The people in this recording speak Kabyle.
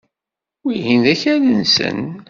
Wihin d akal-nsen.